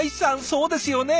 そうですよね。